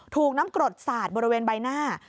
ถูกน้ำกรดสาดบริเวณใบหน้า